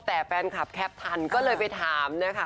แต่แฟนคลับแคปทันก็เลยไปถามนะคะ